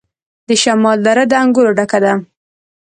د شمالی دره د انګورو ډکه ده.